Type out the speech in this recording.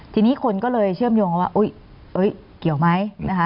ที่นี่คนก็เลยเชื่อมโยงว่าว่าอุ้ยเกี่ยวไหม